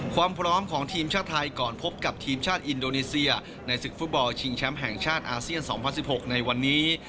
ความพร้อมของทีมชาติไทยก่อนพบกับทีมชาติอินโดนีเซียในศึกฟุตบอลชิงแชมป์แห่งชาติอาเซียน๒๐๑๖ในวันนี้